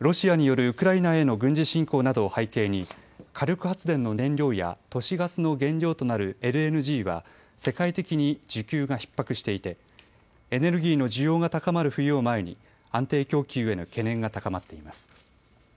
ロシアによるウクライナへの軍事侵攻などを背景に火力発電の燃料や都市ガスの原料となるＬＮＧは世界的に需給がひっ迫していてエネルギーの需要が高まる冬を前に安定供給への懸念が高まっています。